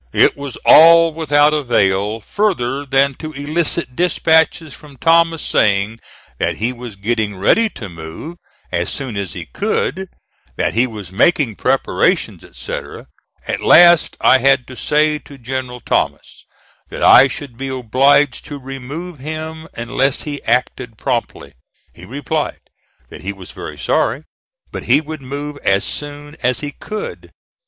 It was all without avail further than to elicit dispatches from Thomas saying that he was getting ready to move as soon as he could, that he was making preparations, etc. At last I had to say to General Thomas that I should be obliged to remove him unless he acted promptly. He replied that he was very sorry, but he would move as soon as he could.